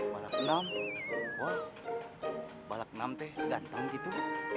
balak enam wah balak enam teh ganteng gitu